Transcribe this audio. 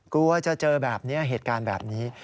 กลัวจะเจอแบบนี้เหตุการณ์แบบนี้